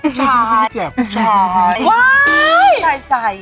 ว้ายใช่ไง